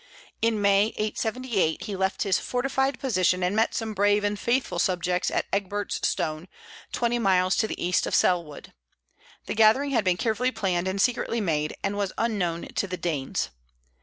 In May, 878, he left his fortified position and met some brave and faithful subjects at Egbert's Stone, twenty miles to the east of Selwood. The gathering had been carefully planned and secretly made, and was unknown to the Danes.